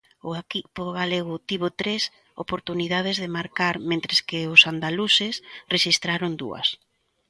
O equipo galego tivo tres oportunidades de marcar, mentres que os andaluces rexistraron dúas.